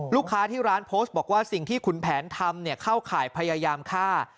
ลูกค้าที่ร้านโพสต์บอกว่าสิ่งที่ขุนแผนทำเข้าข่ายพยายามฆ่า